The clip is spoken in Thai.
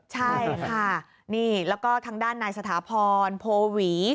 ใช่ค่ะนี่แล้วก็ทางด้านนายสถาพรโพหวี